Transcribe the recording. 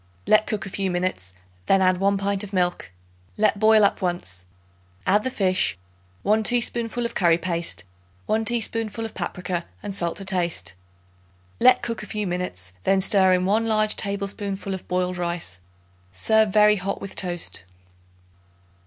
Let cook a few minutes, then add 1 pint of milk; let boil up once. Add the fish, 1 teaspoonful of curry paste, 1 teaspoonful of paprica and salt to taste. Let cook a few minutes, then stir in 1 large tablespoonful of boiled rice. Serve very hot with toast.